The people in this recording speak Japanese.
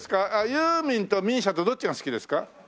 ユーミンとＭＩＳＩＡとどっちが好きですか？